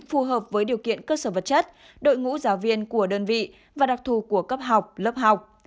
phù hợp với điều kiện cơ sở vật chất đội ngũ giáo viên của đơn vị và đặc thù của cấp học lớp học